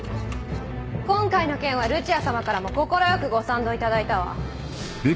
今回の件はルチアさまからも快くご賛同いただいたわ。